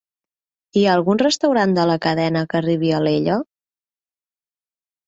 I hi ha algun restaurant de la cadena que arribi a Alella?